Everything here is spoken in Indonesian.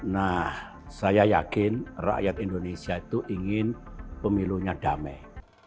nah saya yakin rakyat indonesia itu ingin pemilunya damai